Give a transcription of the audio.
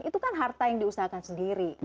itu kan harta yang diusahakan sendiri